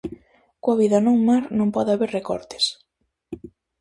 Coa vida non mar non pode haber recortes.